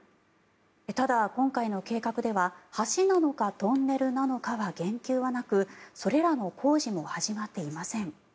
ただ、今回の計画では橋なのかトンネルなのかは言及はなくそれらの工事も始まっていません。